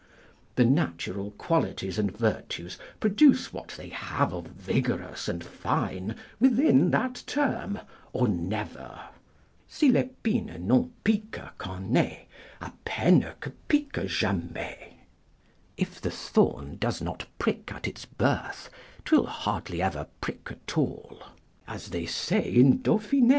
The natural qualities and virtues produce what they have of vigorous and fine, within that term or never, "Si l'espine rion picque quand nai, A pene que picque jamai," ["If the thorn does not prick at its birth, 'twill hardly ever prick at all."] as they say in Dauphin.